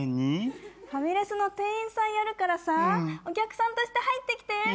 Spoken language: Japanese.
ファミレスの店員さんやるからさお客さんとして入ってきて。